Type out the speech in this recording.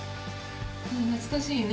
はあ、懐かしいね。